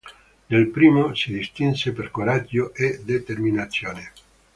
Nel primo si distinse per coraggio e determinazione.